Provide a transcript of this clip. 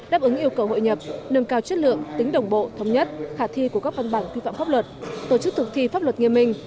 đáp ứng yêu cầu hội nhập nâng cao chất lượng tính đồng bộ thống nhất khả thi của các văn bản quy phạm pháp luật tổ chức thực thi pháp luật nghiêm minh